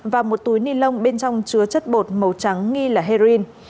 và một túi nilon bên trong chứa chất bột màu trắng nghi là heroin